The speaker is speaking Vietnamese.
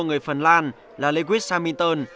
người phần lan là lewis hamilton